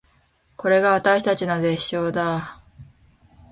これが私たちの絶唱だー